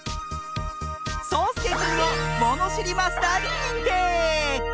そうすけくんをものしりマスターににんてい！